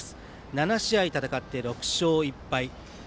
７試合戦って６勝１敗。